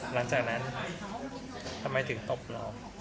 หลังจากนั้นทำไมถึงตบเรา